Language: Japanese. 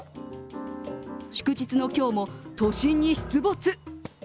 祝日の今日も都心に出没。